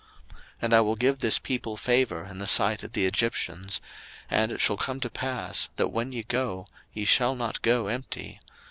02:003:021 And I will give this people favour in the sight of the Egyptians: and it shall come to pass, that, when ye go, ye shall not go empty.